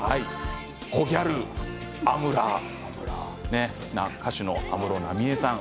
コギャル、アムラー歌手の安室奈美恵さん